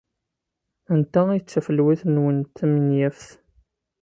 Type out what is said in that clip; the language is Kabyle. Anta ay d tafelwit-nwent tamenyaft?